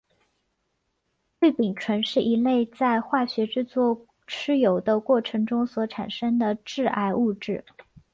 氯丙醇是一类在化学制作豉油的过程中所产生的致癌物质。